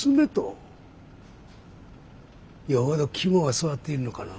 よほど肝が据わっているのかな？